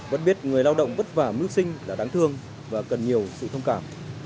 vẫn biết người lao động vất vả mưu sinh là đáng thương và cần nhiều sự thông cảm